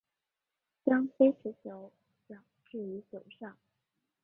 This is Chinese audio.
将非持球脚置于球上。